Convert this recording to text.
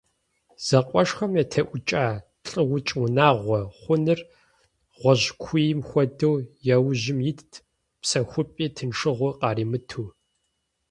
Зэкъуэшхэм ятеӀукӀа «лӀыукӀ унагъуэ» хъуэныр гъуэжькуийм хуэдэу, я ужьым итт, псэхупӀи тыншыгъуи къаримыту.